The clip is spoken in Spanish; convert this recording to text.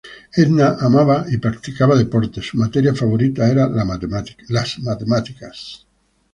Edna amaba y practicaba deportes, su materia favorita era la matemática.